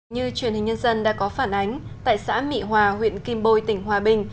như truyền hình nhân dân đã có phản ánh tại xã mỹ hòa huyện kim bôi tỉnh hòa bình